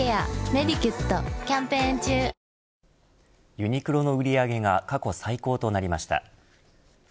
ユニクロの売り上げが過去最高となりました。